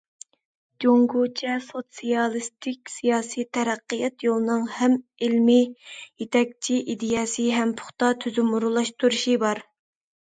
جۇڭگوچە سوتسىيالىستىك سىياسىي تەرەققىيات يولىنىڭ ھەم ئىلمىي يېتەكچى ئىدىيەسى، ھەم پۇختا تۈزۈم ئورۇنلاشتۇرۇشى بار.